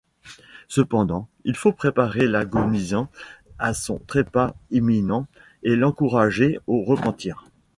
Cependant, il faut préparer l'agonisant à son trépas imminent et l'encourager au repentir.